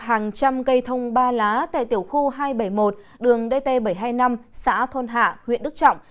hàng trăm cây thông ba lá tại tiểu khu hai trăm bảy mươi một đường dt bảy trăm hai mươi năm xã thôn hạ huyện đức trọng